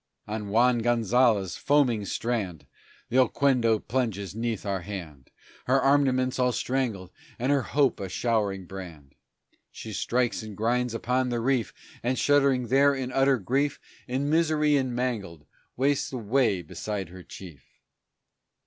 On Juan Gonzales' foaming strand The Oquendo plunges 'neath our hand, Her armaments all strangled, and her hope a showering brand; She strikes and grinds upon the reef, And, shuddering there in utter grief, In misery and mangled, wastes away beside her chief.